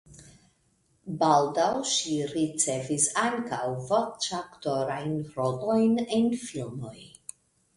Baldaŭ ŝi ricevis ankaŭ voĉaktorajn rolojn en filmoj.